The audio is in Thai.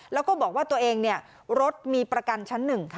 เราก็บอกว่าตัวเองรถมีประกันชั้นหนึ่งค่ะ